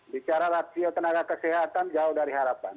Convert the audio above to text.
bicara rasio tenaga kesehatan jauh dari harapan